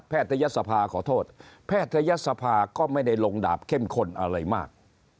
ทยศภาขอโทษแพทยศภาก็ไม่ได้ลงดาบเข้มข้นอะไรมาก